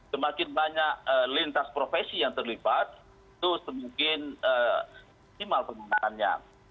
semakin banyak lintas profesi yang terlibat itu semakin minimal penggunaannya